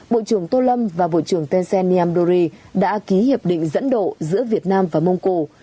bộ trưởng tô lâm và bộ trưởng tên xe niêm đô ri đã ký hiệp định dẫn độ giữa việt nam và mông cổ